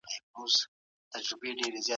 ایا افغان سوداګر وچ توت پروسس کوي؟